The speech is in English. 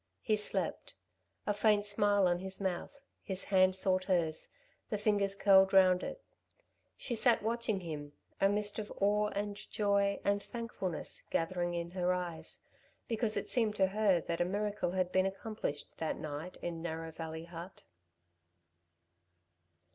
He slept. A faint smile on his mouth, his hand sought hers, the fingers curled round it. She sat watching him, a mist of awe and joy and thankfulness gathering in her eyes, because it seemed to her that a miracle had been accomplished that night in Narrow Valley hut.